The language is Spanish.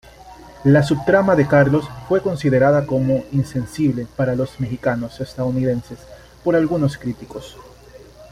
La subtrama de Carlos fue considerada como insensible para los mexicano-estadounidenses por algunos críticos.